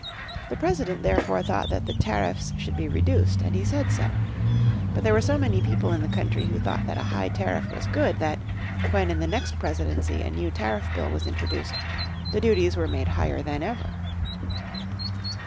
The president therefore thought that the tariffs should be reduced, and he said so. But there were so many people in the country who thought that a high tariff was good that, when in the next presidency, a new tariff bill was introduced, the duties were made higher than ever.